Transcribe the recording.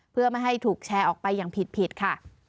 เพื่อไม่ให้ถูกแชร์ออกไปอย่างผิดค่ะ